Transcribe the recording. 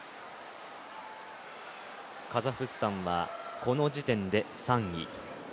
カザフスタンはこの時点で３位。